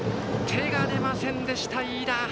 手が出ませんでした、飯田。